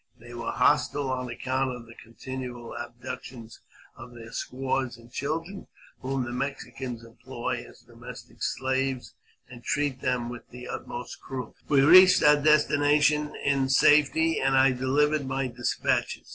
They were hostile on account of the continual abductions of their squaws and children, whom the Mexicans employ as domestic slaves, and treat with the utmost cruelty. We reached our destination in safety, and I delivered my despatches.